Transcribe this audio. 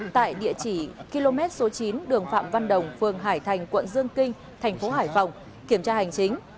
tại địa chỉ km số chín đường phạm văn đồng phường hải thành quận dương kinh thành phố hải phòng kiểm tra hành chính